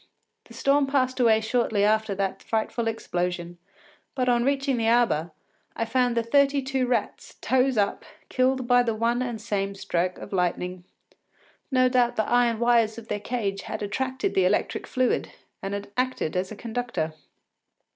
The storm passed away shortly after that frightful explosion, but, on reaching the arbour, I found the thirty two rats, toes up, killed by the one and same stroke of lightning. No doubt the iron wires of their cage had attracted the electric fluid and acted as a conductor.